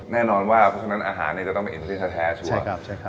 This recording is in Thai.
แน่นอนว่าเพราะฉะนั้นอาหารจะต้องเป็นอิ่มที่แท้ชัวร์